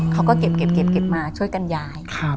เขาก็เก็บมาช่วยกันย้าย